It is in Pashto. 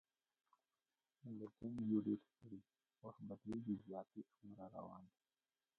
موږ له جنګه یو ډېر ستړي، وخت بدلیږي زیاتي امن را روان دی